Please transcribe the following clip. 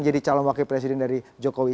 jadi calon wakil presiden dari jokowi